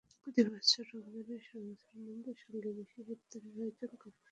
প্রতিবছর রমজানের সময় মুসলমানদের সঙ্গে বিশেষ ইফতারেরও আয়োজন করে আসছেন তিনি।